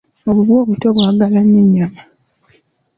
Obubwa obuto bwagala nnyo ennyama.